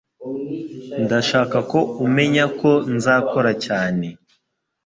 Ndashaka ko umenya ko nzakora cyane.